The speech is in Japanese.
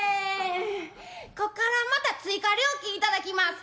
こっからまた追加料金頂きます」。